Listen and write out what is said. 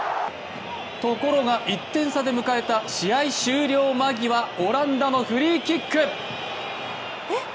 ところが１点差で迎えた試合終了間際、オランダのフリーキック。